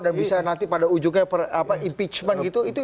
dan bisa nanti pada ujungnya impeachment gitu